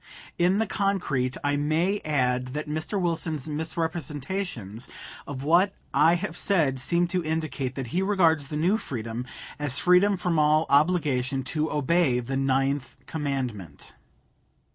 In the concrete I may add that Mr. Wilson's misrepresentations of what I have said seem to indicate that he regards the new freedom as freedom from all obligation to obey the Ninth Commandment.